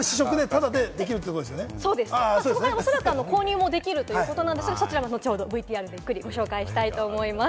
おそらく購入もできるということなんですが、そちらも後ほどゆっくりご紹介したいと思います。